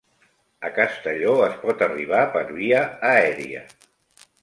A Castelló es pot arribar per via aèria